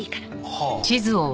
はあ。